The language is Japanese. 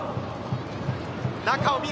中を見る！